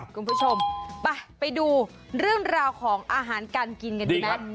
คุณผู้ชมไปดูเรื่องราวของอาหารการกินกันดีไหม